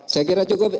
saya kira cukup